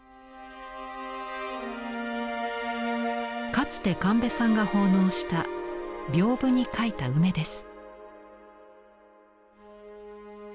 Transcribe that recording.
かつて神戸さんが奉納した屏風に描いた梅です。